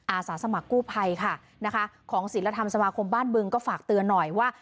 อาสาสมัครกู้ภัยค่ะนะคะของศิลธรรมสมาคมบ้านบึงก็ฝากเตือนหน่อยว่า